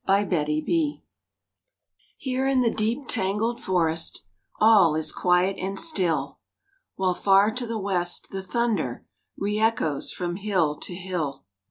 *THE RAINSTORM* Here in the deep tangled forest All is quiet and still, While far to the west the thunder, Re echoes from hill to hill.